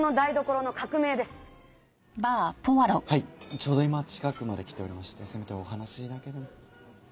ちょうど今近くまで来ておりましてせめてお話だけでも。